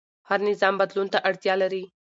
هر نظام بدلون ته اړتیا لري